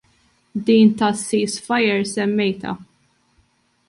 Din tas-ceasefire semmejtha.